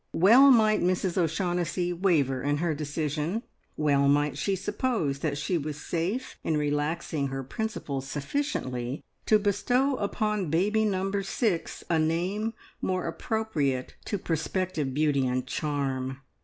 Well might Mrs O'Shaughnessy waver in her decision; well might she suppose that she was safe in relaxing her principles sufficiently to bestow upon baby number six a name more appropriate to prospective beauty and charm.